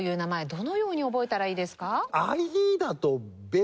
どのように覚えたらいいですか？